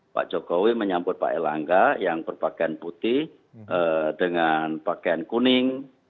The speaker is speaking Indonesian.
pak jokowi menyambut pak erlangga yang berpakaian putih dengan pakaian kuning